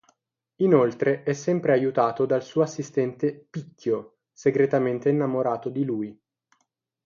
Inoltre è sempre aiutato dal suo assistente Picchio, segretamente innamorato di lui.